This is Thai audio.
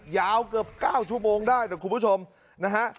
ยาวเกือบ๙ชั่วโมงได้นะคุณผู้ชมนะฮะ